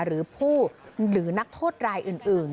หรือผู้หรือนักโทษรายอื่น